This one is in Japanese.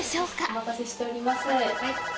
お待たせしております。